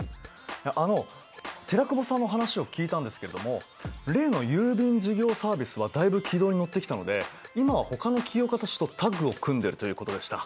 あの寺久保さんの話を聞いたんですけども例の郵便事業サービスはだいぶ軌道に乗ってきたので今はほかの起業家たちとタッグを組んでるということでした。